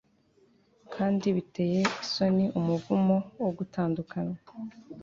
kandi biteye isoni umuvumo wo gutandukana